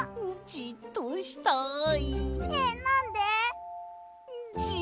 じっとしたい。